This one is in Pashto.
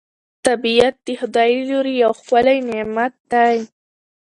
طبیعت د خدای له لوري یو ښکلی نعمت دی